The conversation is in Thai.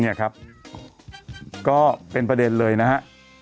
เนี่ยครับก็เป็นประเด็นเลยนะฮะ